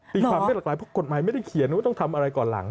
ความได้หลากหลายเพราะกฎหมายไม่ได้เขียนว่าต้องทำอะไรก่อนหลัง